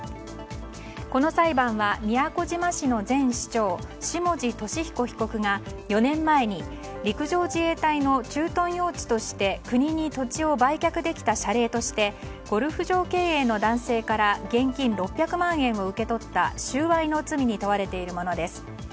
この裁判は、宮古島市の前市長下地敏彦被告が４年前に陸上自衛隊の駐屯用地として国に土地を売却できた謝礼としてゴルフ場経営の男性から現金６００万円を受け取った収賄の罪に問われているものです。